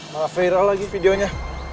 malah viral lagi videonya